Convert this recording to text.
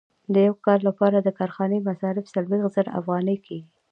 د یو کال لپاره د کارخانې مصارف څلوېښت زره افغانۍ کېږي